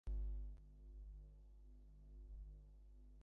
চক্রবর্তী কহিলেন, আমি যেন বলিলাম, কিন্তু মেয়েটি কি নড়িবে?